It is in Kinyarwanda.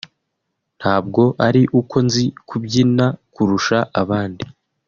ntabwo ari uko nzi kubyina kurusha abandi